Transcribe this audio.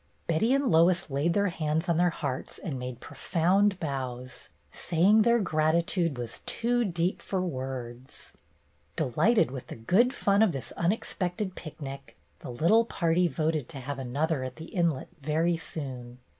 Betty and Lois laid their hands on their hearts and made profound bows, saying their gratitude was too deep for words. Delighted with the good fun of this unex pected picnic, the little party voted to have another at the inlet very soon.